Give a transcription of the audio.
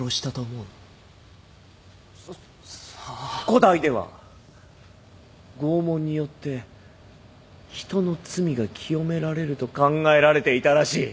古代では拷問によって人の罪が清められると考えられていたらしい。